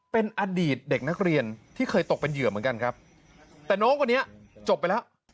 เป็นอดีตเด็กนักเรียนที่เคยตกเป็นเหยื่อเหมือนกันครับแต่น้องคนนี้จบไปแล้ว